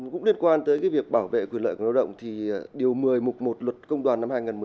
cũng liên quan tới việc bảo vệ quyền lợi của lao động thì điều một mươi một một luật công đoàn năm hai nghìn một mươi hai